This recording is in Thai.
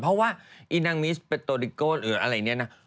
เพราะว่าอีนางมิสเป็นโตดิโก้หรืออะไรเนี่ยนะ